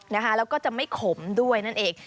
แล้วก็จะไม่ขมด้วยนั่นเอง